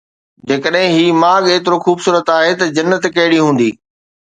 جيڪڏهن هي ماڳ ايترو خوبصورت آهي ته جنت ڪهڙي هوندي؟